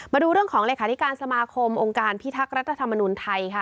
มาดูเรื่องของเลขาธิการสมาคมองค์การพิทักษ์รัฐธรรมนุนไทยค่ะ